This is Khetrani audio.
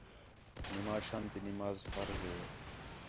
نِماشان تی نماز فرض ہِے